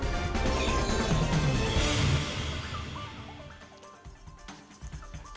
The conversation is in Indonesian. kepala pembangunan monas